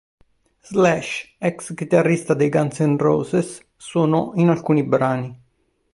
Slash, ex chitarrista dei Guns N' Roses, suonò in alcuni brani.